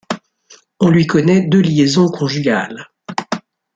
On lui connaît deux liaisons conjugales.